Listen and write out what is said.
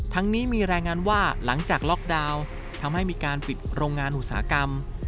นี้มีรายงานว่าหลังจากล็อกดาวน์ทำให้มีการปิดโรงงานอุตสาหกรรม